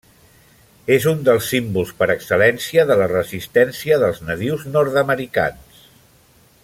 És un dels símbols per excel·lència de la resistència dels nadius nord-americans.